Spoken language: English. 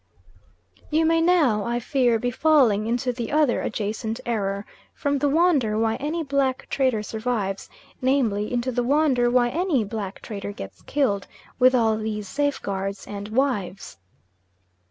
You may now, I fear, be falling into the other adjacent error from the wonder why any black trader survives, namely, into the wonder why any black trader gets killed; with all these safeguards, and wives.